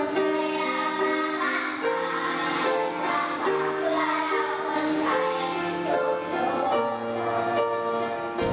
ที่การฝากเพื่อเราคนไทยทุก